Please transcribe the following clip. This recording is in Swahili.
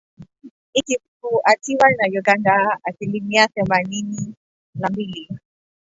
ikifuatiwa na Uganda asilimia themanini na mbili